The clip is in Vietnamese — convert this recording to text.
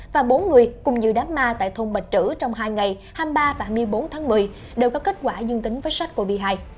và bốn người cùng dự đám ma tại thôn bạch trữ trong hai ngày hai mươi ba và hai mươi bốn tháng một mươi đều có kết quả dương tính với sars cov hai